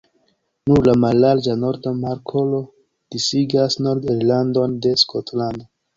Nur la mallarĝa Norda Markolo disigas Nord-Irlandon de Skotlando.